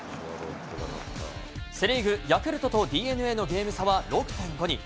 セ・リーグ、ヤクルトとＤｅＮＡのゲーム差は６．５に。